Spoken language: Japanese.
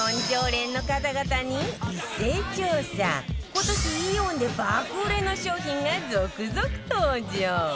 今年イオンで爆売れの商品が続々登場